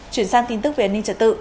chuyển sang tin tức về an ninh trật tự